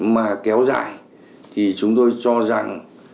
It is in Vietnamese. mà kéo dài thì chúng tôi cho rằng